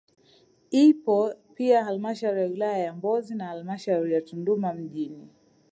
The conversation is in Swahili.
Ipo pia halmashauri ya wilaya ya Mbozi na halmashauri ya Tunduma mjini